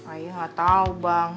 ayuh gak tau bang